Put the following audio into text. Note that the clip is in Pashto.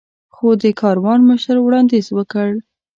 خو د کاروان مشر وړاندیز وکړ.